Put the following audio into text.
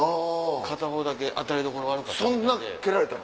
片方だけ当たりどころ悪かった。